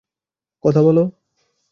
কথা বল।